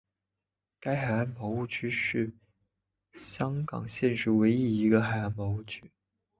该海岸保护区是香港现时唯一一个海岸保护区。